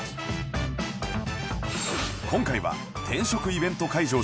今回は転職イベント会場